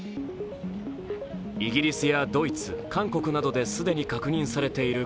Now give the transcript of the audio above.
イギリスやドイツ、韓国などで既に確認されている